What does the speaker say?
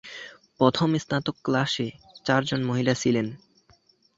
প্রথম স্নাতক ক্লাসে চারজন মহিলা ছিলেন।